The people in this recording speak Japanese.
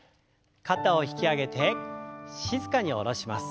肩を引き上げて静かに下ろします。